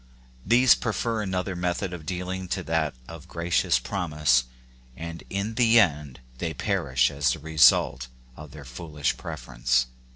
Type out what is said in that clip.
These . prefer another method of dealing to that of gracious promise, and in the end they per ish as the result of their foolish preference.